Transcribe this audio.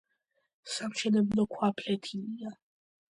სამშენებლო ქვა ფლეთილია.